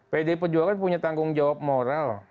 pdi perjuangan punya tanggung jawab moral